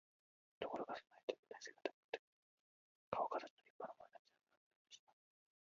ところがその兵隊はみんな背が高くて、かおかたちの立派なものでなくてはならないのでした。